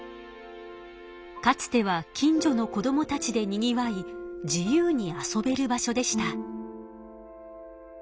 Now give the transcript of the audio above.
かつては近所の子どもたちでにぎわい自由に遊べる場所でした。